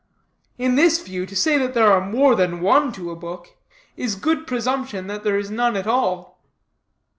In this view, to say that there are more than one to a book, is good presumption there is none at all.